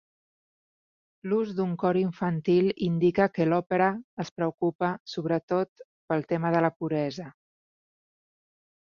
L'ús d'un cor infantil indica que l'òpera es preocupa, sobretot, pel tema de la puresa.